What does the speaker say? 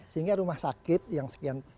sehingga rumah sakit yang sekian